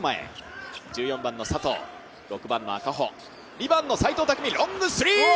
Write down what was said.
２番の齋藤拓実、ロングスリー！